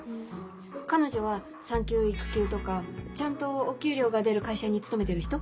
彼女は産休育休とかちゃんとお給料が出る会社に勤めてる人？